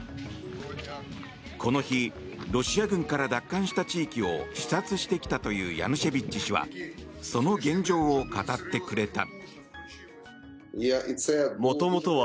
この日ロシア軍から奪還した地域を視察してきたというヤヌシェビッチ氏はその現状を語ってくれた。